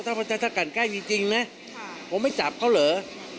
ถ้ากันแกล้งจริงนะผมไม่จับเขาเหรอ